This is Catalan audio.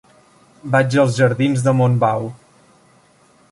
Vaig als jardins de Montbau.